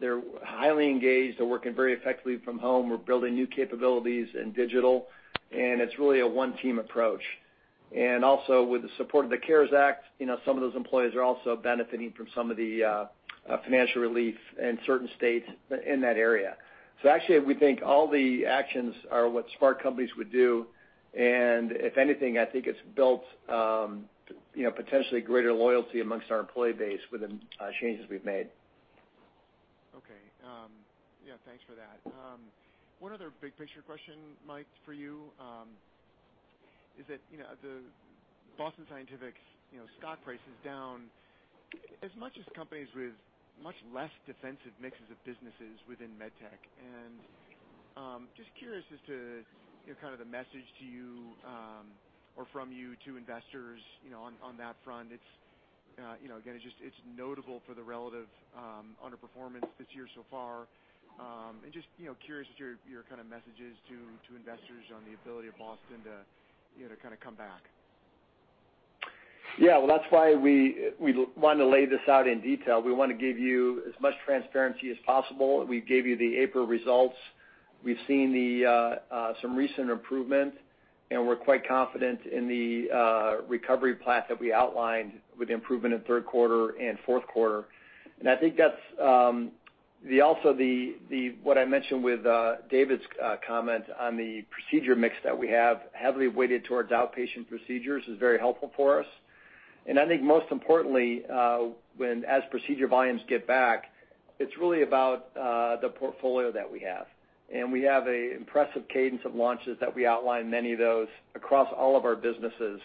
They're highly engaged. They're working very effectively from home. We're building new capabilities in digital, it's really a one-team approach. Also with the support of the CARES Act, some of those employees are also benefiting from some of the financial relief in certain states in that area. Actually, we think all the actions are what smart companies would do, and if anything, I think it's built potentially greater loyalty amongst our employee base with the changes we've made. Okay. Yeah, thanks for that. One other big picture question, Mike, for you, is that the Boston Scientific stock price is down as much as companies with much less defensive mixes of businesses within med tech, and just curious as to kind of the message to you, or from you to investors on that front. Again, it's notable for the relative underperformance this year so far. Just curious as to your kind of messages to investors on the ability of Boston Scientific to kind of come back. Yeah. Well, that's why we want to lay this out in detail. We want to give you as much transparency as possible. We gave you the April results. We've seen some recent improvement, and we're quite confident in the recovery plan that we outlined with improvement in third quarter and fourth quarter. I think that's also what I mentioned with David's comment on the procedure mix that we have, heavily weighted towards outpatient procedures, is very helpful for us. I think most importantly, as procedure volumes get back, it's really about the portfolio that we have. We have an impressive cadence of launches that we outlined many of those across all of our businesses,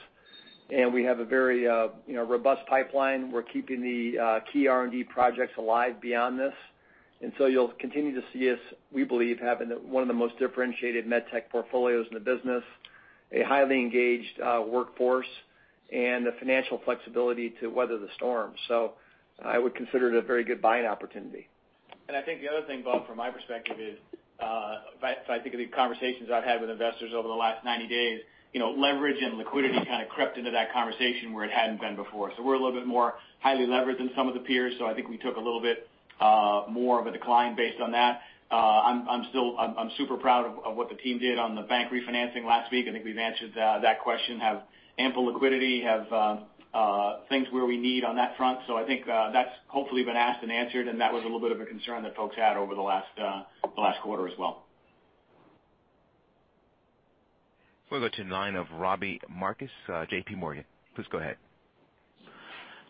and we have a very robust pipeline. We're keeping the key R&D projects alive beyond this. You'll continue to see us, we believe, having one of the most differentiated med tech portfolios in the business, a highly engaged workforce, and the financial flexibility to weather the storm. I would consider it a very good buying opportunity. I think the other thing, Bob, from my perspective is, if I think of the conversations I've had with investors over the last 90 days, leverage and liquidity kind of crept into that conversation where it hadn't been before. We're a little bit more highly leveraged than some of the peers, so I think we took a little bit more of a decline based on that. I'm super proud of what the team did on the bank refinancing last week. I think we've answered that question, have ample liquidity, have things where we need on that front. I think that's hopefully been asked and answered, and that was a little bit of a concern that folks had over the last quarter as well. We'll go to the line of Robbie Marcus, JPMorgan. Please go ahead.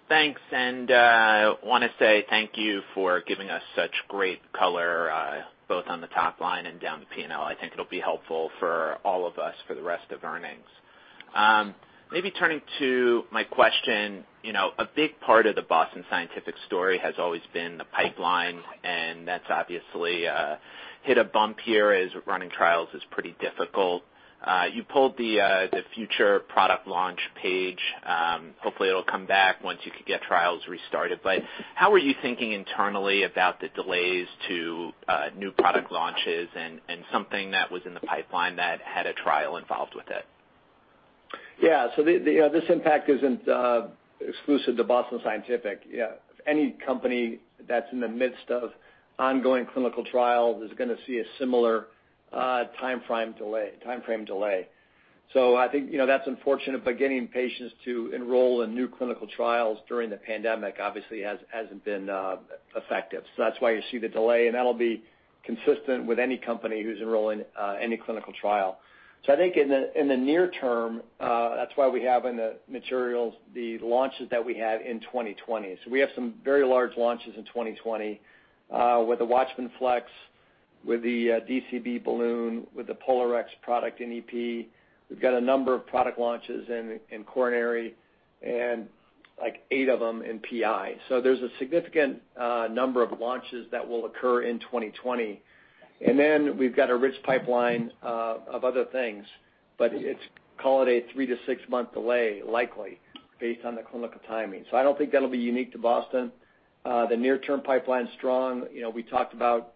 Want to say thank you for giving us such great color, both on the top line and down the P&L. I think it'll be helpful for all of us for the rest of earnings. Maybe turning to my question, a big part of the Boston Scientific story has always been the pipeline, and that's obviously hit a bump here as running trials is pretty difficult. You pulled the future product launch page. Hopefully, it'll come back once you can get trials restarted. How are you thinking internally about the delays to new product launches and something that was in the pipeline that had a trial involved with it? Yeah. This impact isn't exclusive to Boston Scientific. Any company that's in the midst of ongoing clinical trials is going to see a similar timeframe delay. I think that's unfortunate, but getting patients to enroll in new clinical trials during the pandemic obviously hasn't been effective. That's why you see the delay, and that'll be consistent with any company who's enrolling any clinical trial. I think in the near term, that's why we have in the materials the launches that we have in 2020. We have some very large launches in 2020 with the WATCHMAN FLX, with the DCB balloon, with the POLARx product in EP. We've got a number of product launches in coronary and eight of them in PI. There's a significant number of launches that will occur in 2020. Then we've got a rich pipeline of other things, but it's call it a three to six-month delay, likely based on the clinical timing. I don't think that'll be unique to Boston. The near-term pipeline's strong. We talked about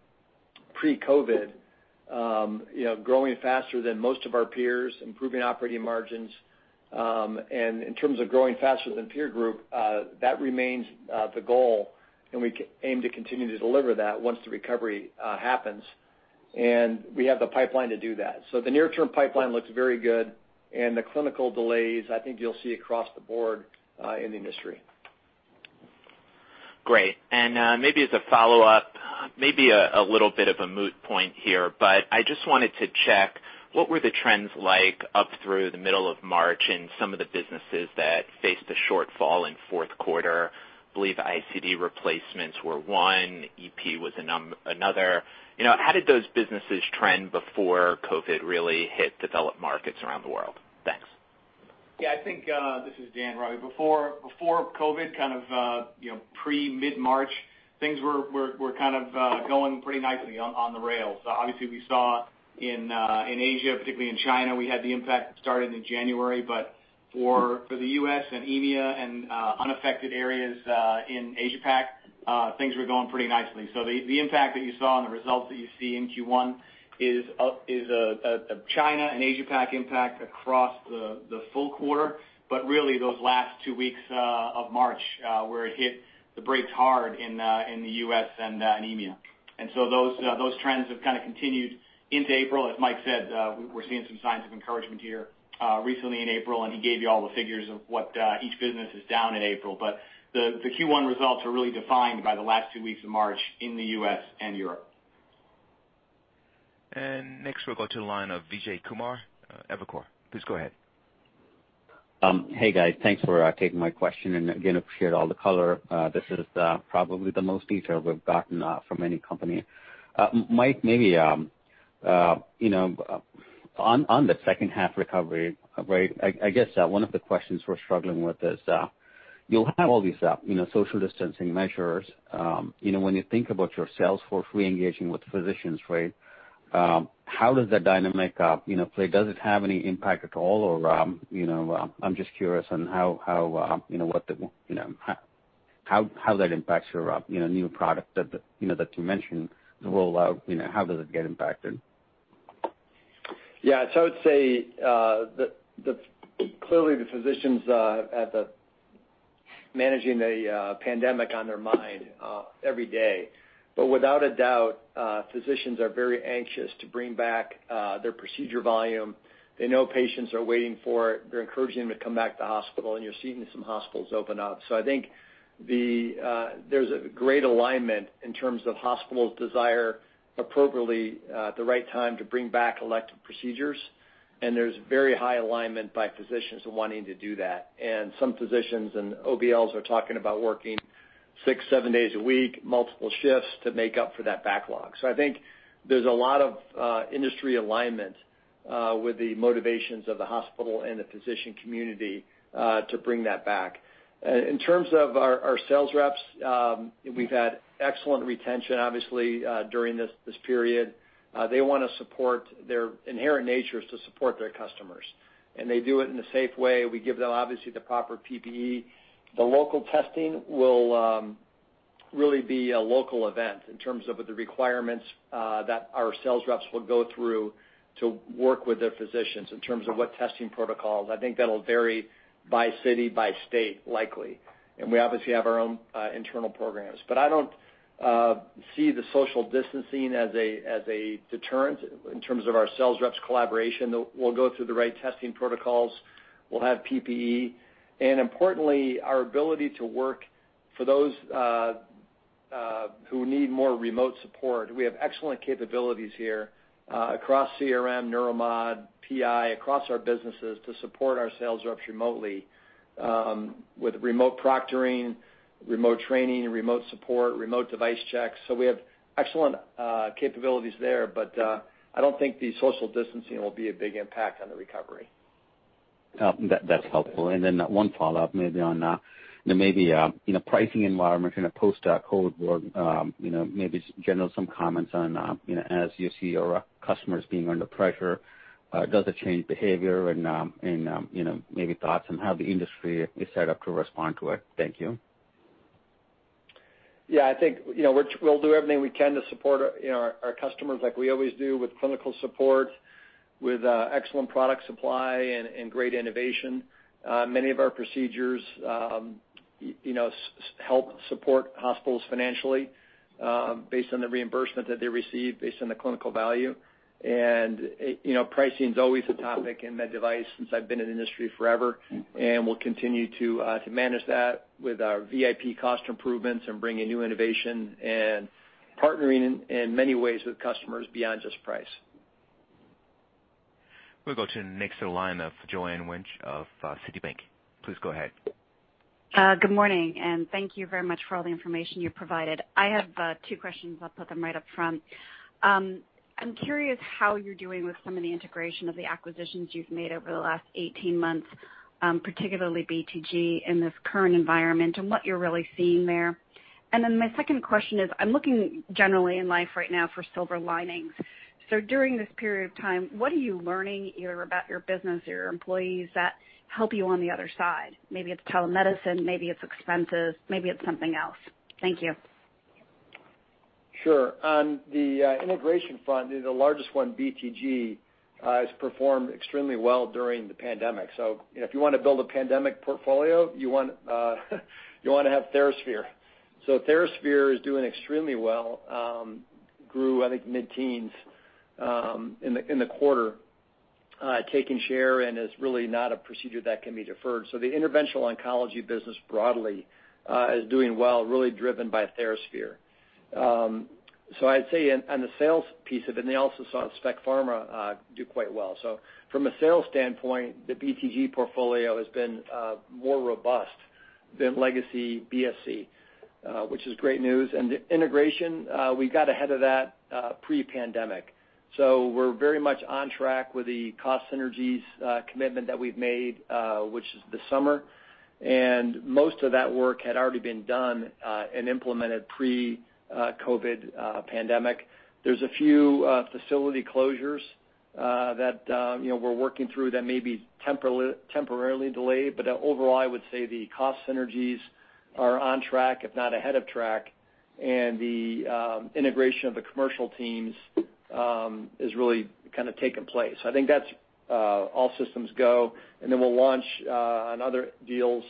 pre-COVID, growing faster than most of our peers, improving operating margins. In terms of growing faster than peer group, that remains the goal, and we aim to continue to deliver that once the recovery happens. We have the pipeline to do that. The near-term pipeline looks very good, and the clinical delays, I think you'll see across the board in the industry. Great. Maybe as a follow-up, maybe a little bit of a moot point here, but I just wanted to check, what were the trends like up through the middle of March in some of the businesses that faced a shortfall in fourth quarter? I believe ICD replacements were one, EP was another. How did those businesses trend before COVID really hit developed markets around the world? Thanks. This is Dan, Robbie. Before COVID kind of pre mid-March, things were kind of going pretty nicely on the rails. We saw in Asia, particularly in China, we had the impact starting in January, but for the U.S. and EMEA and unaffected areas in Asia Pac, things were going pretty nicely. The impact that you saw and the results that you see in Q1 is a China and Asia Pac impact across the full quarter. Really those last two weeks of March where it hit the brakes hard in the U.S. and EMEA. Those trends have kind of continued into April. As Mike said, we're seeing some signs of encouragement here recently in April, and he gave you all the figures of what each business is down in April. The Q1 results are really defined by the last two weeks of March in the U.S. and Europe. Next we'll go to the line of Vijay Kumar, Evercore. Please go ahead. Hey, guys. Thanks for taking my question. Again, appreciate all the color. This is probably the most detail we've gotten from any company. Mike, maybe on the second half recovery rate, I guess one of the questions we're struggling with is, you'll have all these social distancing measures. When you think about your sales force re-engaging with physicians, how does that dynamic play? Does it have any impact at all? I'm just curious on how that impacts your new product that you mentioned the role of how does it get impacted? Yeah. I would say that clearly the physicians have managing a pandemic on their mind every day. Without a doubt, physicians are very anxious to bring back their procedure volume. They know patients are waiting for it. They're encouraging them to come back to the hospital, and you're seeing some hospitals open up. I think there's a great alignment in terms of hospitals' desire appropriately at the right time to bring back elective procedures, and there's very high alignment by physicians wanting to do that. Some physicians and OBLs are talking about working six, seven days a week, multiple shifts to make up for that backlog. I think there's a lot of industry alignment with the motivations of the hospital and the physician community to bring that back. In terms of our sales reps, we've had excellent retention, obviously, during this period. Their inherent nature is to support their customers, and they do it in a safe way. We give them, obviously, the proper PPE. The local testing will really be a local event in terms of the requirements that our sales reps will go through to work with their physicians in terms of what testing protocols. I think that'll vary by city, by state, likely. We obviously have our own internal programs. I don't see the social distancing as a deterrent in terms of our sales reps' collaboration. We'll go through the right testing protocols. We'll have PPE, and importantly, our ability to work for those who need more remote support. We have excellent capabilities here across CRM, Neuromod, PI, across our businesses to support our sales reps remotely with remote proctoring, remote training, remote support, remote device checks. We have excellent capabilities there, but I don't think the social distancing will be a big impact on the recovery. That's helpful. One follow-up maybe on the pricing environment in a post-COVID world. Maybe just general some comments on as you see your customers being under pressure, does it change behavior and maybe thoughts on how the industry is set up to respond to it? Thank you. Yeah, I think we'll do everything we can to support our customers like we always do with clinical support, with excellent product supply and great innovation. Many of our procedures help support hospitals financially based on the reimbursement that they receive, based on the clinical value. Pricing is always a topic in med device since I've been in the industry forever, and we'll continue to manage that with our VIP cost improvements and bringing new innovation and partnering in many ways with customers beyond just price. We'll go to the next line of Joanne Wuensch of Citi. Please go ahead. Good morning. Thank you very much for all the information you've provided. I have two questions. I'll put them right up front. I'm curious how you're doing with some of the integration of the acquisitions you've made over the last 18 months, particularly BTG, in this current environment, and what you're really seeing there. My second question is, I'm looking generally in life right now for silver linings. During this period of time, what are you learning about your business, your employees that help you on the other side? Maybe it's telemedicine, maybe it's expenses, maybe it's something else. Thank you. Sure. On the integration front, the largest one, BTG, has performed extremely well during the pandemic. If you want to build a pandemic portfolio, you want to have TheraSphere. TheraSphere is doing extremely well. Grew, I think, mid-teens in the quarter, taking share, and it's really not a procedure that can be deferred. The interventional oncology business broadly is doing well, really driven by TheraSphere. I'd say on the sales piece of it, and they also saw specialty pharma do quite well. From a sales standpoint, the BTG portfolio has been more robust than legacy BSC, which is great news. The integration, we got ahead of that pre-pandemic. We're very much on track with the cost synergies commitment that we've made, which is this summer. Most of that work had already been done and implemented pre-COVID pandemic. There's a few facility closures that we're working through that may be temporarily delayed, overall, I would say the cost synergies are on track, if not ahead of track. The integration of the commercial teams has really kind of taken place. I think that's all systems go. We'll launch on other deals.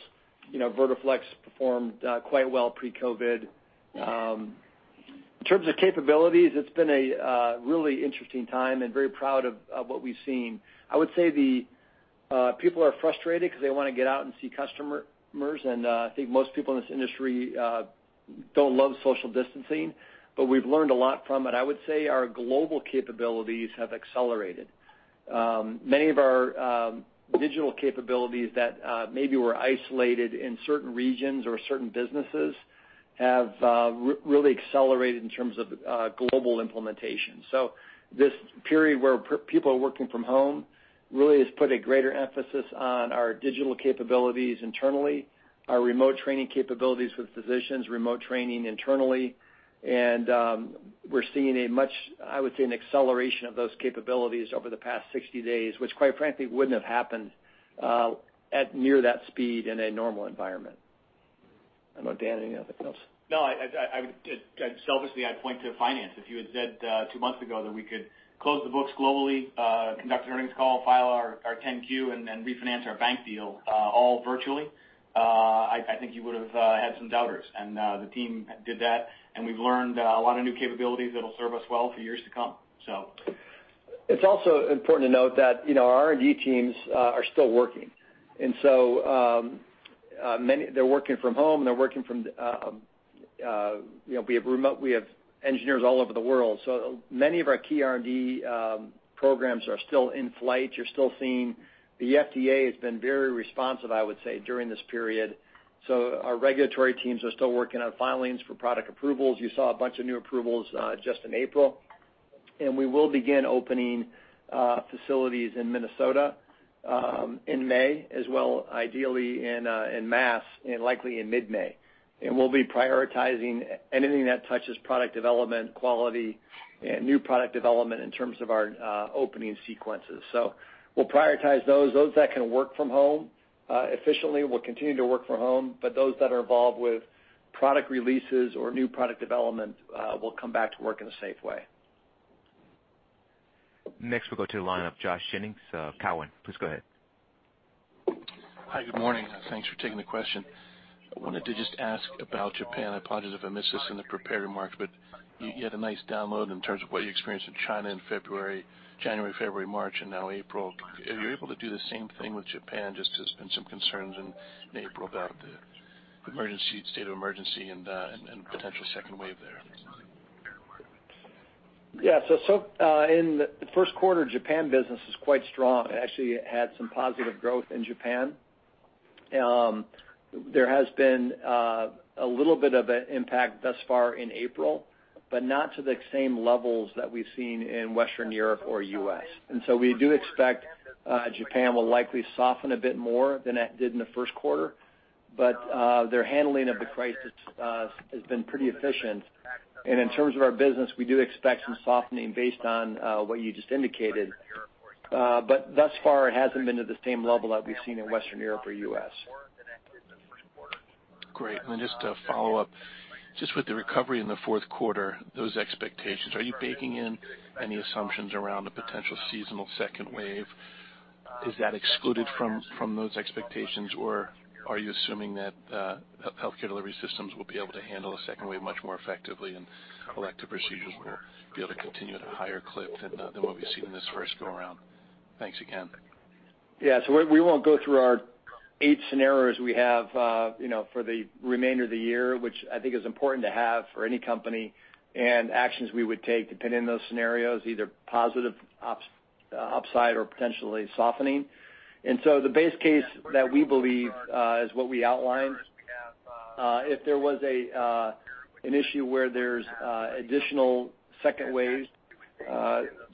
Vertiflex performed quite well pre-COVID-19. In terms of capabilities, it's been a really interesting time and very proud of what we've seen. I would say the people are frustrated because they want to get out and see customers, I think most people in this industry don't love social distancing. We've learned a lot from it. I would say our global capabilities have accelerated. Many of our digital capabilities that maybe were isolated in certain regions or certain businesses have really accelerated in terms of global implementation. This period where people are working from home really has put a greater emphasis on our digital capabilities internally, our remote training capabilities with physicians, remote training internally. We're seeing a much, I would say, an acceleration of those capabilities over the past 60 days, which quite frankly, wouldn't have happened at near that speed in a normal environment. I don't know, Dan, anything else? No, selfishly, I'd point to finance. If you had said two months ago that we could close the books globally, conduct an earnings call, file our 10-Q, and then refinance our bank deal all virtually, I think you would have had some doubters. The team did that, and we've learned a lot of new capabilities that'll serve us well for years to come. It's also important to note that our R&D teams are still working. They're working from home, we have remote, we have engineers all over the world. Many of our key R&D programs are still in flight. You're still seeing the FDA has been very responsive, I would say, during this period. Our regulatory teams are still working on filings for product approvals. You saw a bunch of new approvals just in April. We will begin opening facilities in Minnesota in May, as well ideally in Mass., and likely in mid-May. We'll be prioritizing anything that touches product development, quality, and new product development in terms of our opening sequences. We'll prioritize those. Those that can work from home efficiently will continue to work from home, but those that are involved with product releases or new product development will come back to work in a safe way. Next, we'll go to the line of Josh Jennings, Cowen. Please go ahead. Hi, good morning. Thanks for taking the question. I wanted to just ask about Japan. I apologize if I missed this in the prepared remarks, but you had a nice download in terms of what you experienced in China in February, January, February, March, and now April. Are you able to do the same thing with Japan, just there's been some concerns in April about the state of emergency and potential second wave there? Yeah. In the first quarter, Japan business was quite strong. Actually, it had some positive growth in Japan. There has been a little bit of an impact thus far in April, but not to the same levels that we've seen in Western Europe or U.S. We do expect Japan will likely soften a bit more than it did in the first quarter, but their handling of the crisis has been pretty efficient. In terms of our business, we do expect some softening based on what you just indicated. Thus far, it hasn't been to the same level that we've seen in Western Europe or U.S. Great. Just to follow up, just with the recovery in the fourth quarter, those expectations, are you baking in any assumptions around a potential seasonal second wave? Is that excluded from those expectations, or are you assuming that healthcare delivery systems will be able to handle a second wave much more effectively and elective procedures will be able to continue at a higher clip than what we've seen in this first go around? Thanks again. Yeah. We won't go through our eight scenarios we have for the remainder of the year, which I think is important to have for any company, and actions we would take depending on those scenarios, either positive upside or potentially softening. The base case that we believe, is what we outlined. If there was an issue where there's additional second waves,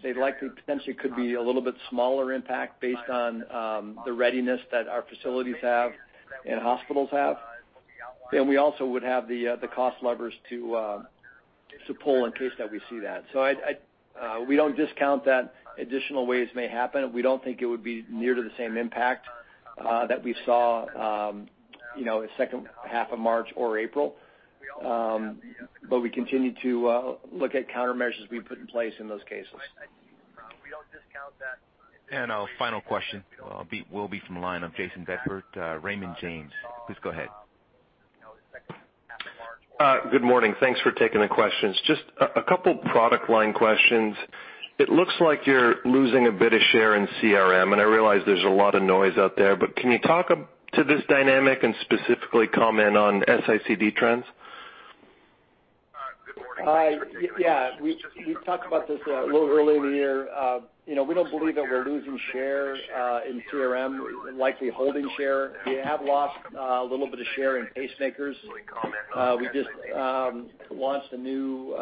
they likely potentially could be a little bit smaller impact based on the readiness that our facilities have and hospitals have. We also would have the cost levers to pull in case that we see that. We don't discount that additional waves may happen. We don't think it would be near to the same impact that we saw second half of March or April. We continue to look at countermeasures we put in place in those cases. Our final question will be from the line of Jayson Bedford. Raymond James, please go ahead. Good morning. Thanks for taking the questions. Just a couple product line questions. It looks like you're losing a bit of share in CRM, and I realize there's a lot of noise out there, but can you talk to this dynamic and specifically comment on S-ICD trends? Yeah. We talked about this a little earlier in the year. We don't believe that we're losing share in CRM. We're likely holding share. We have lost a little bit of share in pacemakers. We just launched a new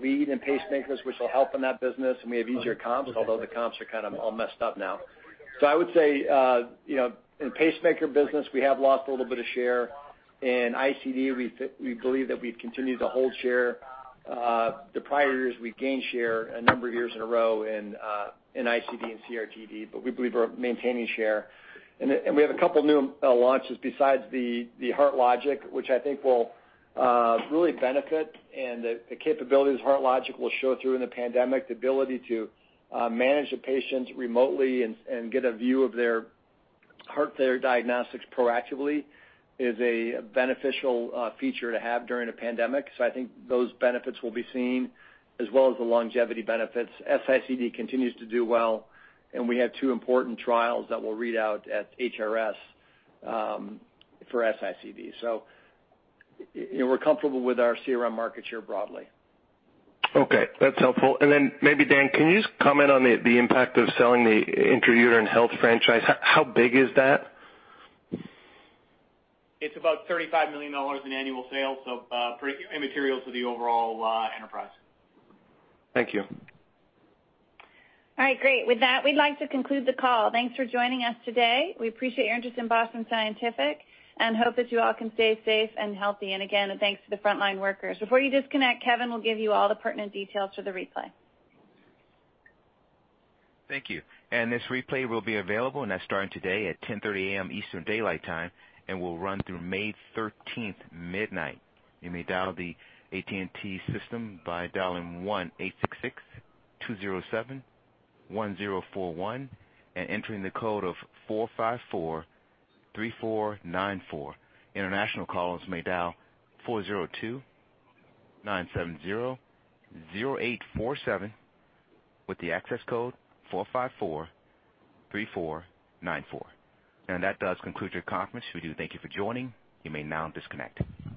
lead in pacemakers, which will help in that business, and we have easier comps, although the comps are kind of all messed up now. I would say, in pacemaker business, we have lost a little bit of share. In ICD, we believe that we've continued to hold share. The prior years, we gained share a number of years in a row in ICD and CRT-D, but we believe we're maintaining share. We have a couple new launches besides the HeartLogic, which I think will really benefit, and the capabilities of HeartLogic will show through in the pandemic. The ability to manage the patients remotely and get a view of their heart diagnostics proactively is a beneficial feature to have during a pandemic. I think those benefits will be seen as well as the longevity benefits. S-ICD continues to do well, and we have two important trials that will read out at HRS for S-ICD. We're comfortable with our CRM market share broadly. Okay, that's helpful. Maybe Dan, can you just comment on the impact of selling the intra-uterine health franchise? How big is that? It's about $35 million in annual sales, so immaterial to the overall enterprise. Thank you. All right, great. With that, we'd like to conclude the call. Thanks for joining us today. We appreciate your interest in Boston Scientific and hope that you all can stay safe and healthy. Again, thanks to the frontline workers. Before you disconnect, Kevin will give you all the pertinent details for the replay. Thank you. This replay will be available, that's starting today at 10:30 A.M. Eastern Daylight Time and will run through May 13th, midnight. You may dial the AT&T system by dialing 1-866-207-1041 and entering the code of 4543494. International callers may dial 402-970-0847 with the access code 4543494. That does conclude your conference. We do thank you for joining. You may now disconnect.